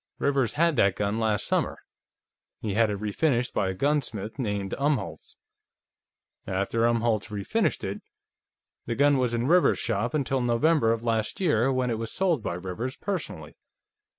"Rivers had that gun last summer. He had it refinished by a gunsmith named Umholtz. After Umholtz refinished it, the gun was in Rivers's shop until November of last year, when it was sold by Rivers personally.